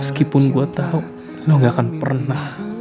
meskipun gue tahu lo gak akan pernah